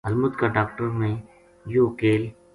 ہلمت کا ڈاکٹر نے یوہ کیل